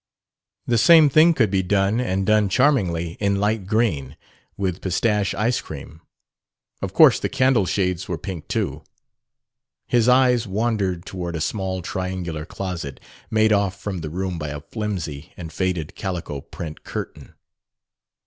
The same thing could be done, and done charmingly, in light green with pistache ice cream. Of course the candle shades were pink too." His eye wandered toward a small triangular closet, made off from the room by a flimsy and faded calico print curtain.